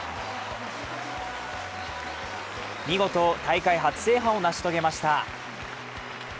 見事、大会初制覇を成し遂げました。